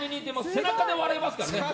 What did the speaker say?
背中で笑いますからね。